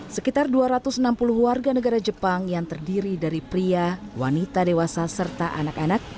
sekitar dua ratus enam puluh warga negara jepang yang terdiri dari pria wanita dewasa serta anak anak